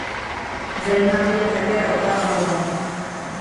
Zajímavý je také obal alba.